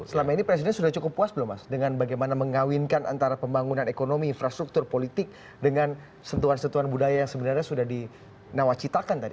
selama ini presiden sudah cukup puas belum mas dengan bagaimana mengawinkan antara pembangunan ekonomi infrastruktur politik dengan sentuhan sentuhan budaya yang sebenarnya sudah dinawacitakan tadi